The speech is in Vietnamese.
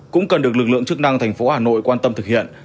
cũng cần được lực lượng chức năng thành phố hà nội quan tâm thực hiện